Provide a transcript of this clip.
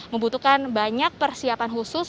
membutuhkan banyak persiapan khusus